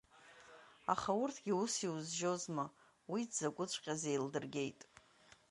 Аха урҭгьы ус иузжьозма, уи дзакәыҵәҟьаз еилдыргеит…